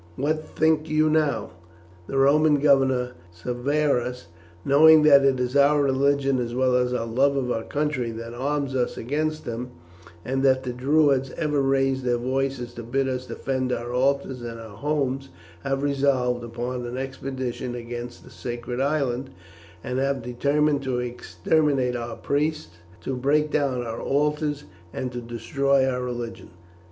What think you, now? The Roman governor Severus, knowing that it is our religion as well as love of our country that arms us against them, and that the Druids ever raise their voices to bid us defend our altars and our homes, have resolved upon an expedition against the Sacred Island, and have determined to exterminate our priests, to break down our altars, and to destroy our religion.